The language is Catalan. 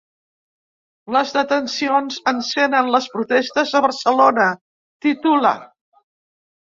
Les detencions encenen les protestes a Barcelona, titula.